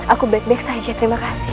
aku baik baik saja terima kasih